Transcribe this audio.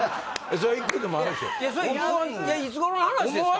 それいつ頃の話ですか？